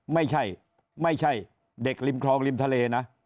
ไม่ใช่ไม่ใช่เด็กริมคลองริมทะเลนะ